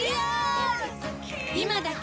今だけ！